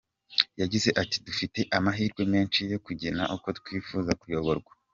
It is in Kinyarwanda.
Yagize ati” Dufite amahirwe menshi yo kugena uko twifuza kuyoborwa.